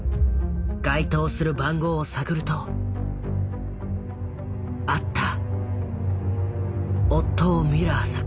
該当する番号を探るとあった！